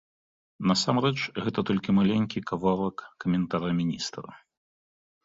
Насамрэч гэта толькі маленькі кавалак каментара міністра.